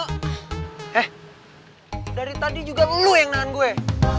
eh dari tadi juga lu yang nahan gue